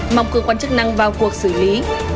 mong cơ quan chức năng vào cuộc xử lý